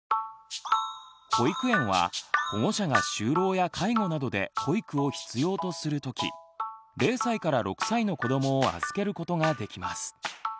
保育園は保護者が就労や介護などで保育を必要とするとき０６歳の子どもを預けることができます。